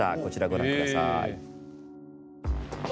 ご覧ください。